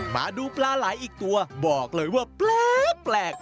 มาดูปลาไหลอีกตัวบอกเลยว่าแปลก